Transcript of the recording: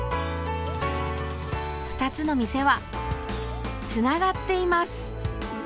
２つの店はつながっています。